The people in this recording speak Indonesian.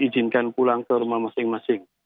diizinkan pulang ke rumah masing masing